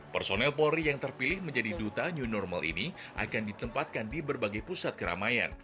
personel polri yang terpilih menjadi duta new normal ini akan ditempatkan di berbagai pusat keramaian